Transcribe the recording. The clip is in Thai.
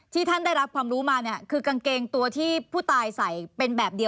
ที่ท่านได้รับความรู้มาคือกางเกงตัวที่ผู้ตายใส่